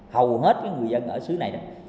hầu hết người dân ở xứ này